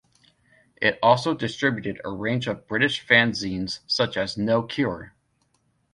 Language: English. It also distributed a range of British fanzines such as No Cure.